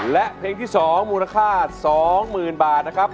และเพลงที่๒มูลค่า๒๐๐๐บาทนะครับ